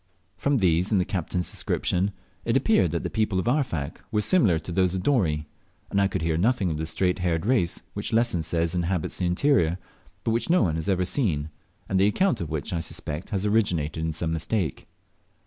From these and the captain's description, it appeared that the people of Arfak were similar to those of Dorey, and I could hear nothing of the straight haired race which Lesson says inhabits the interior, but which no one has ever seen, and the account of which I suspect has originated in some mistake.